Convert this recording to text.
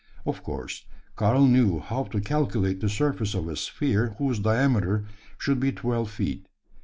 Of course, Karl knew how to calculate the surface of a sphere whose diameter should be twelve feet.